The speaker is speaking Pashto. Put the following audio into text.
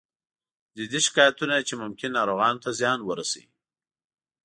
جدي شکایتونه چې ممکن ناروغانو ته زیان ورسوي